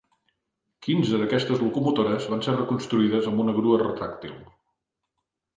Quinze d'aquestes locomotores van ser reconstruïdes amb una grua retràctil.